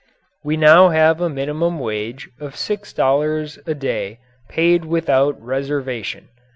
We now have a minimum wage of six dollars a day paid without reservation.